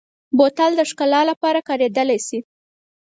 بوتل د ښکلا لپاره کارېدلی شي.